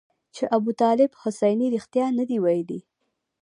چې ابوطالب حسیني رښتیا نه دي ویلي.